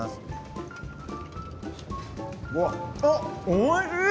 おいしい！